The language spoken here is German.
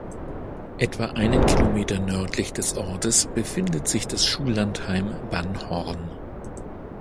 Etwa einen Kilometer nördlich des Ortes befindet sich das Schullandheim "Ban Horn.